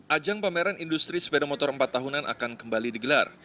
ajang pameran industri sepeda motor empat tahunan akan kembali digelar